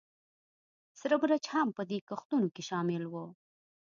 سره مرچ هم په دې کښتونو کې شامل وو